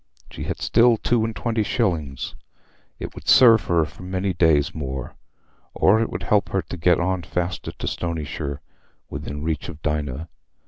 She had still two and twenty shillings; it would serve her for many days more, or it would help her to get on faster to Stonyshire, within reach of Dinah.